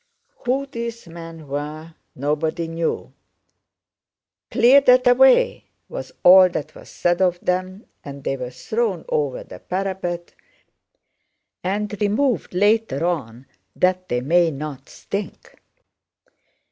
Who these men were nobody knew. "Clear that away!" was all that was said of them, and they were thrown over the parapet and removed later on that they might not stink.